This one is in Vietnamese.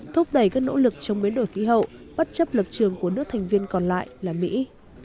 thúc đẩy các nỗ lực chống biến đổi khí hậu bất chấp lập trường của nước thành viên còn lại là mỹ